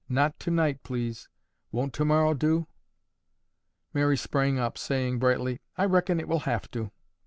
"Not tonight, please. Won't tomorrow do?" Mary sprang up, saying brightly, "I reckon it will have to."